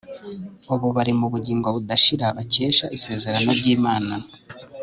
ubu bari mu bugingo budashira bakesha isezerano ry'imana